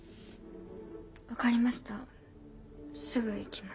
分かりました。